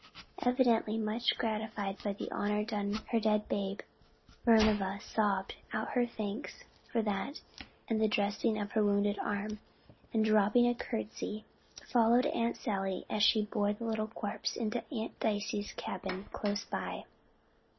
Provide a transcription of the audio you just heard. Evidently much gratified by the honor done her dead babe, Minerva sobbed out her thanks for that, and the dressing of her wounded arm, and dropping a courtesy, followed Aunt Sally as she bore the corpse into Aunt Dicey's cabin close by.